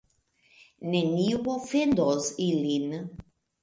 Neniu ofendos ilin.